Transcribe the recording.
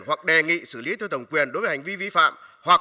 hoặc đề nghị xử lý theo thẩm quyền đối với hành vi vi phạm